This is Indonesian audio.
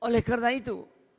oleh karena itu